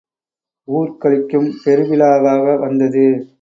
ஊர் களிக்கும் பெரு விழாவாக வந்தது.